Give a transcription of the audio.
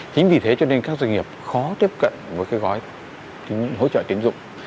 chính vì thế cho nên các doanh nghiệp khó tiếp cận